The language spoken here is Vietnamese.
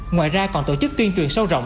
ngoài ra còn tổ chức tuyên truyền sâu rộng